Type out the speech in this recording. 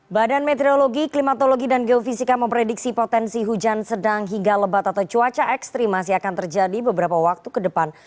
badan meteorologi klimatologi dan geofisika memprediksi potensi hujan sedang hingga lebat atau cuaca ekstrim masih akan terjadi beberapa waktu ke depan